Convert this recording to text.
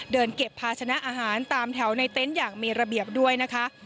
เดินเก็บภาชนะอาหารตามแถวในเต็นต์อย่างมีระเบียบด้วยนะคะ